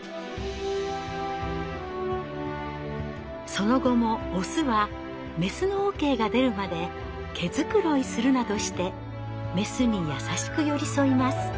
その後もオスはメスのＯＫが出るまで毛繕いするなどしてメスに優しく寄り添います。